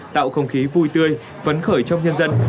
tạo không khí vui tươi phấn khởi trong nhân dân